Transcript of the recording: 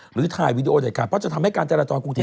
หรือถ่ายวีดีโอด้วยกันเพราะจะทำให้การจรตรกรุงเทพฯ